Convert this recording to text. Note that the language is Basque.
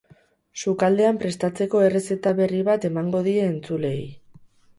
Sukaldean prestatezko errezeta berri bat emango die entzuleei.